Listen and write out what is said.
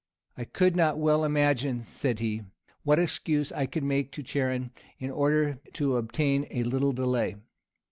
"I could not well imagine," said he, "what excuse I could make to Charon in order to obtain a little delay.